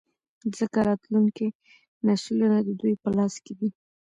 ځـکـه راتـلونکي نـسلونه د دوي پـه لاس کـې دي.